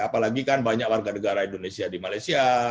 apalagi kan banyak warga negara indonesia di malaysia